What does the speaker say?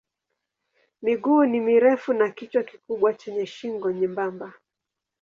Miguu ni mirefu na kichwa kikubwa chenye shingo nyembamba.